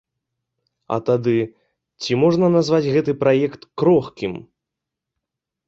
А тады, ці можна назваць гэты праект крохкім?